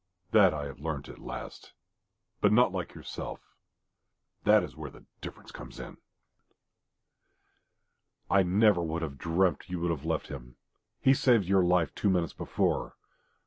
That I have learnt at last. But not like yourself. That is where the difference comes in." "I never could have dreamt you would have left him. He saved your life two minutes before....